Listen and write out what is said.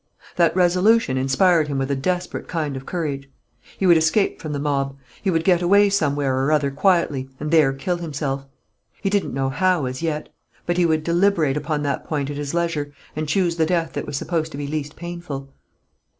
That resolution inspired him with a desperate kind of courage. He would escape from the mob; he would get away somewhere or other quietly and there kill himself. He didn't know how, as yet; but he would deliberate upon that point at his leisure, and choose the death that was supposed to be least painful.